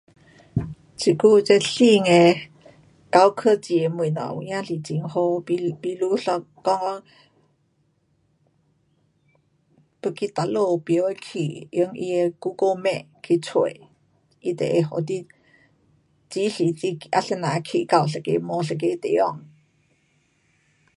这久这新的高科技的东西，有真是很好，比，比如一讲讲，要去哪里不会去，用它的 google map 去找，它就会给你指示，啊怎样去，到一个 mall, 一个地方。